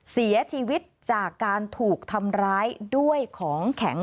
เสียชีวิตจากการถูกทำร้ายด้วยของแข็ง